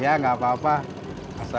asal jangan abang aja gak ikutan puasa